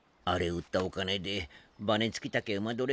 あれ売ったお金でバネつき竹馬